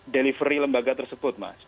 delivery lembaga tersebut